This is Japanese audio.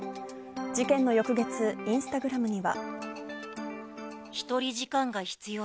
事件の翌月、インスタグラムには。